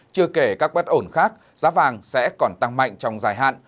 chưa kể các bất ổn khác giá vàng sẽ còn tăng mạnh trong dài hạn